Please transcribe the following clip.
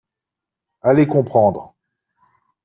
Allez comprendre